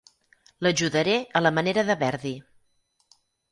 L'ajudaré a la manera de Verdi.